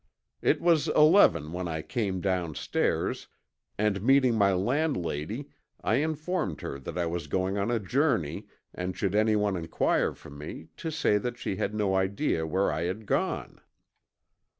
It was eleven when I came downstairs, and meeting my landlady I informed her that I was going on a journey and should anyone inquire for me to say that she had no idea where I had gone.